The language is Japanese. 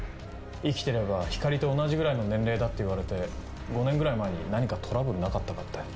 生きていれば光莉と同じくらいの年齢だと言われて、５年ぐらい前に何かトラブルはなかったかって。